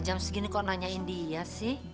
jam segini kok nanyain dia sih